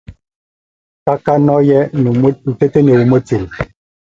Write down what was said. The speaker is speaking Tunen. Buayé menyama bá ndonye nɔ́ye buɔsɛ bɔmɔtɛk moná ua hiseli kewe.